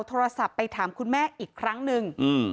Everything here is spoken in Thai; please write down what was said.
โทรศัพท์ไปถามคุณแม่อีกครั้งหนึ่ง